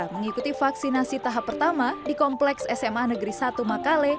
mengikuti vaksinasi tahap pertama di kompleks sma negeri satu makale